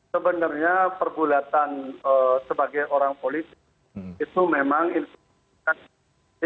sebenarnya pergulatan sebagai orang politik